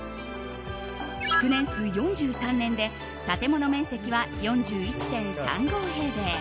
築年数４３年で建物面積は４１．３５平米